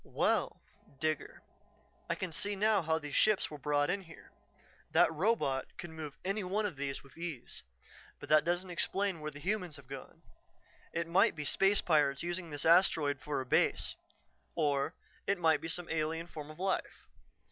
"Well, Digger, I can see now how these ships were brought in here; that robot could move any one of these with ease. But that doesn't explain where the humans have gone. It might be space pirates using this asteroid for a base, or it might be some alien form of life.